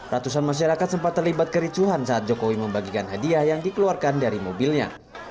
ratusan masyarakat sempat terlibat kericuhan saat jokowi membagikan hadiah yang dikeluarkan dari mobilnya